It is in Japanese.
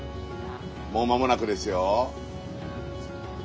もう間もなくですよ。